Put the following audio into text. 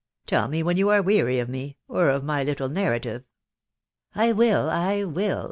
Tell me when you are weary of me .... or of my little narrative." " I will, I will